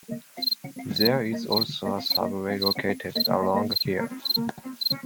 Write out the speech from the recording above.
There is also a subway located along here.